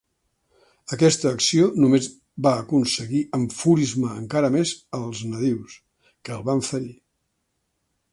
Aquesta acció només va aconseguir enfurismar encara més als nadius, que el van ferir.